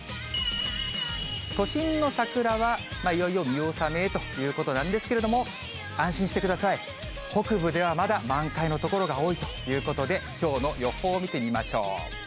都心の桜はいよいよ見納めということなんですけれども、安心してください、北部ではまだ満開の所が多いということで、きょうの予報を見てみましょう。